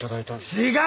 違う！